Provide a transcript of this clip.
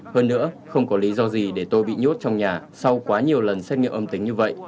hơn nữa không có lý do gì để tôi bị nhốt trong nhà sau quá nhiều lần xét nghiệm âm tính như vậy